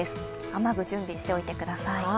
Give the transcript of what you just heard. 雨具、準備しておいてください。